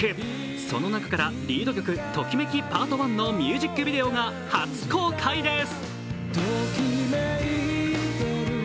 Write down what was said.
その中からリード曲「ときめきｐａｒｔ１」のミュージックビデオが初公開です。